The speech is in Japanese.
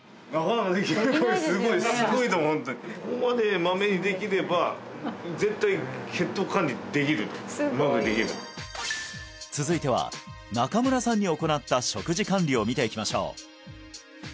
ここまでまめにできれば続いては中村さんに行った食事管理を見ていきましょう